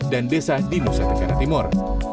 dan desa di nusa tenggara timur